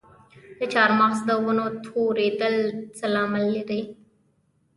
د چهارمغز د ونو توریدل څه لامل لري؟